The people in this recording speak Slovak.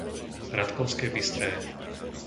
Ratkovské Bystré